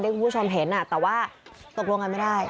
คุณผู้ชมเห็นแต่ว่าตกลงกันไม่ได้